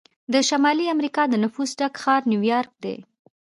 د شمالي امریکا د نفوسو ډک ښار نیویارک دی.